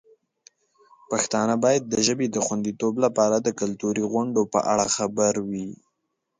پښتانه باید د ژبې د خوندیتوب لپاره د کلتوري غونډو په اړه خبر وي.